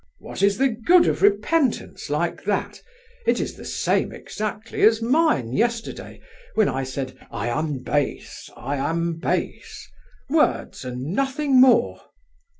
"What is the good of repentance like that? It is the same exactly as mine yesterday, when I said, 'I am base, I am base,'—words, and nothing more!"